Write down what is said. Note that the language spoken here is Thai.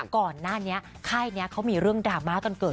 ก่อนหน้านี้ค่ายนี้เขามีเรื่องดราม่ากันเกิด